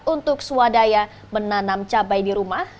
untuk swadaya menanam cabai di rumah